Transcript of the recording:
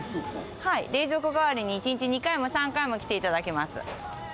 はい、冷蔵庫代わりに１日に２回も３回も来ていただきます。